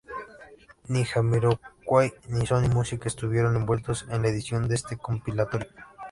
Ni Jamiroquai ni Sony Music estuvieron envueltos en la edición de este compilatorio.